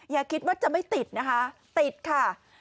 อย่าคิดว่าจะไม่ติดนะคะติดค่ะ